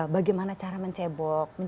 bagaimana cara menceritakan